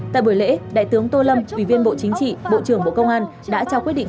tại buổi lễ đại tướng tô lâm ủy viên bộ chính trị bộ trưởng bộ công an đã trao quyết định